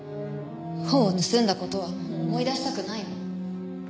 本を盗んだ事はもう思い出したくないの。